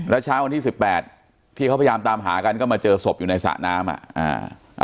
แล้วช้าวันที่๑๘ที่เขาพยายามตามหากันก็มาเจอศพอยู่ในสระน้ำ